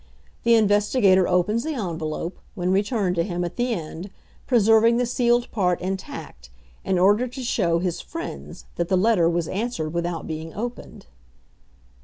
The investigator opens the envelope, when returned to him, at the end, preserving the sealed part intact, in order to show his friends that the letter was answered without being opened!